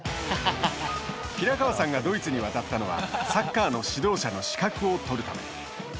平川さんがドイツに渡ったのはサッカーの指導者の資格を取るため。